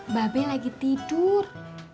mbak be lagi tidur